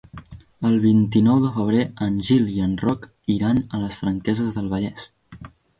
El vint-i-nou de febrer en Gil i en Roc iran a les Franqueses del Vallès.